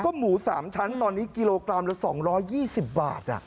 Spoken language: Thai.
ก็หมู๓ชั้นตอนนี้กิโลกรัมละ๒๒๐บาท